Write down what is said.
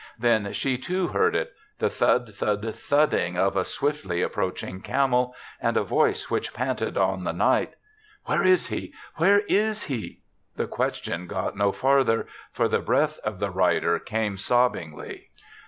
Then she, too, heard it— the thud thud thudding of a swiftly approaching camel and a voice which panted on the night, "Where is he? — ^Where is he?*' The question got no farther, for the breath of the rider came sobbingly.